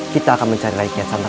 kita akan menemukan rai kian santam